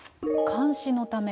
監視のため。